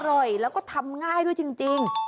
อร่อยแล้วก็ทำง่ายด้วยจริง